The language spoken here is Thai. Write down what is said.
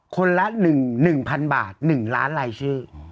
คนละ๑๐๐๐บาท๑๐๐๐๐๐๐ลายชื่อ